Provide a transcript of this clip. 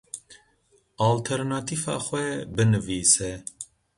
Alternatîfa xwe binivîse.